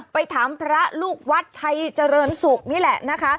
ไปถามพระลูกวัดไทยเจริญศุกร์นี่แหละนะคะ